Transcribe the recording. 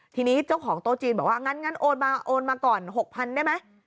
ทีนี้เจ้าของโต๊ะจีนบอกว่างั้นโอนมาโอนมาก่อน๖๐๐๐ได้ไหม